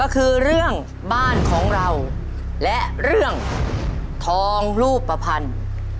ก็คือเรื่องบ้านของเราและเรื่องทองรูปภัณฑ์